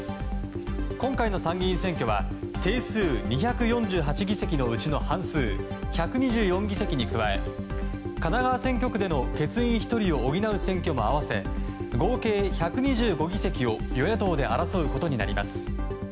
今回の参議院選挙は定数２４８議席のうちの半数１２４議席に加え神奈川選挙区での欠員１人を補う選挙も合わせ合計１２５議席を与野党で争うことになります。